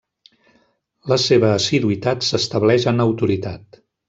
La seva assiduïtat s'estableix en autoritat.